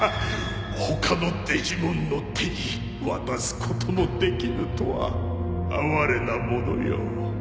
他のデジモンの手に渡すこともできぬとは哀れなものよ。